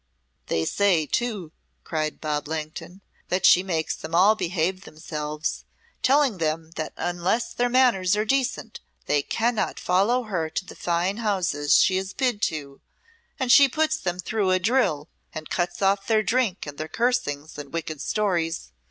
"They say, too," cried Bob Langton, "that she makes them all behave themselves, telling them that unless their manners are decent they cannot follow her to the fine houses she is bid to and she puts them through a drill and cuts off their drink and their cursings and wicked stories.